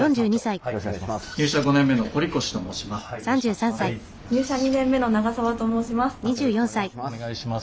よろしくお願いします。